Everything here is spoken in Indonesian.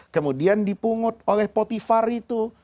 kemudian dipungut oleh potifar itu